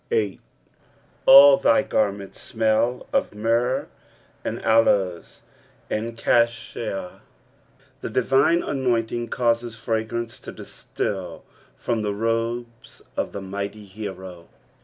8. "All thy garmenii tmdl of myrrh, and atoet, and eauia," The divine anointing causes fragrance to distil from the robes of the Mighty Hero.